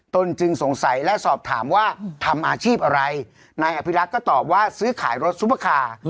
ตนจึงสงสัยและสอบถามว่าทำอาชีพอะไรนายอภิรักษ์ก็ตอบว่าซื้อขายรถซุปเปอร์คาร์